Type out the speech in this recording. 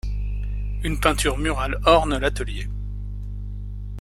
Une peinture murale orne l'atelier.